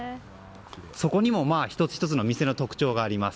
そこにも１つ１つの店の特徴があります。